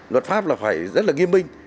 luật pháp là phải rất là nghiêm binh